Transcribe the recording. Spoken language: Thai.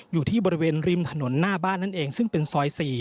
อยู่ที่บริเวณริมถนนหน้าบ้านนั่นเองซึ่งเป็นซอย๔